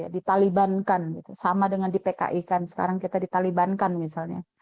ditalibankan gitu sama dengan di pki kan sekarang kita ditalibankan misalnya